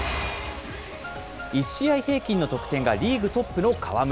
１試合平均の得点がリーグトップの河村。